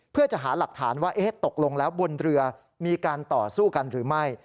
เพื่อจะหาหลักฐานว่าตกลงแล้วบนเรือมีการต่อสู้กันหรือไม่